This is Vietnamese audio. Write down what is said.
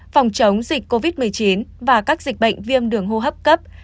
phòng chống dịch covid một mươi chín và các dịch bệnh viêm đường hô hấp cấp